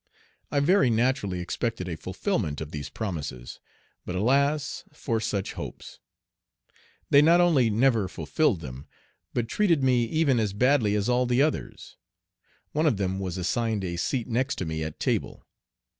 I very naturally expected a fulfilment of these promises, but alas! for such hopes! They not only never fulfilled them, but treated me even as badly as all the others. One of them was assigned a seat next to me at table.